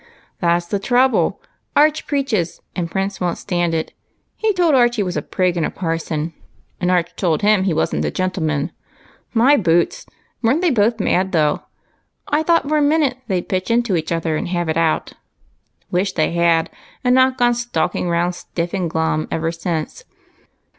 " That 's the trouble ; Arch preaches, and Prince won't stand it. He told Arch he was a prig and a parson, and Arch told him he wasn't a gentleman. My boots ! were n't they both mad though ! I thought for a minute they'd pitch into one another and have it out. Wish they had, and not gone stalking round stiff and glum ever since.